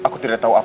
kepada si bang